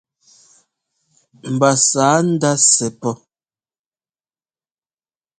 Mba sǎ ndá sɛ́ pɔ́.